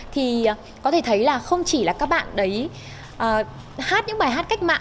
thì có thể thấy là không chỉ là các bạn đấy hát những bài hát cách mạng